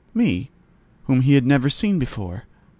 —me, whom he had never seen before?